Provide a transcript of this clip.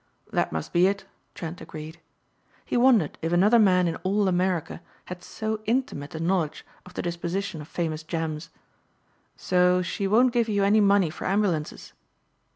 "That must be it," Trent agreed. He wondered if another man in all America had so intimate a knowledge of the disposition of famous gems. "So she won't give you any money for ambulances?"